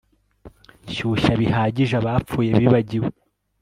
Shyushya bihagije abapfuye bibagiwe